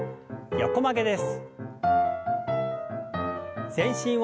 横曲げです。